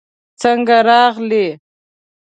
څنګه راغلې؟